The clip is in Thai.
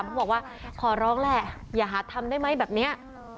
เขาบอกว่าขอร้องแหละอย่าหาทำได้ไหมแบบนี้